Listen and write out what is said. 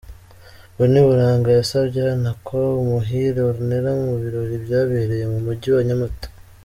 Bonny Buranga yasabye anakwa Umuhire Ornella mu birori byabereye mu mujyi wa Nyamata.